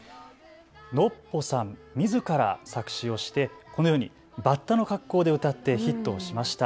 ノッポさんみずから作詞をしてこのようにバッタの格好で歌ってヒットしました。